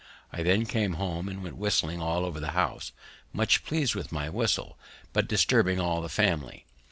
I then came home, and went whistling all over the house, much pleased with my whistle, but disturbing all the family.